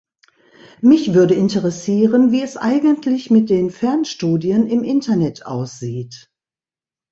Mich würde interessieren, wie es eigentlich mit den Fernstudien im Internet aussieht.